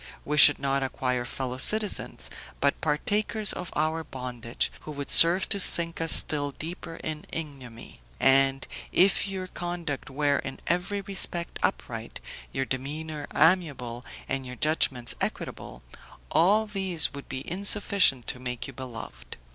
We should not acquire fellow citizens, but partakers of our bondage, who would serve to sink us still deeper in ignominy. And if your conduct were in every respect upright, your demeanor amiable, and your judgments equitable, all these would be insufficient to make you beloved.